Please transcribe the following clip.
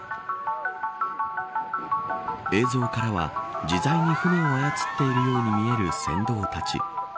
映像からは自在に舟を操っているように見える船頭たち。